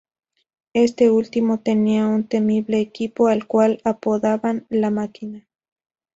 Este último tenía un temible equipo al cual apodaban "La Máquina".